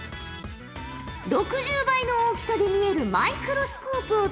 ６０倍の大きさで見えるマイクロスコープを使うのじゃ。